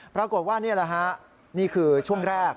ปรากฏว่านี่แหละฮะนี่คือช่วงแรก